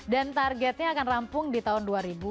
dan targetnya akan rampung di tahun dua ribu dua puluh